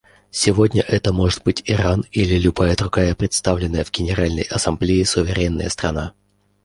Сегодня это может быть Иран или любая другая представленная в Генеральной Ассамблее суверенная страна.